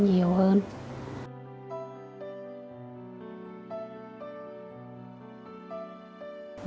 nhiều lúc mình vô tình